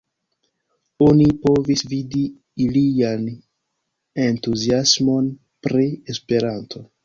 Oni povis vidi ilian entuziasmon pri Esperanto.